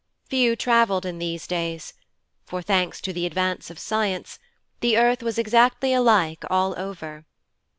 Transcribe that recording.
Few travelled in these days, for, thanks to the advance of science, the earth was exactly alike all over.